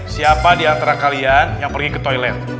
siapa diantara kalian yang pergi ke toilet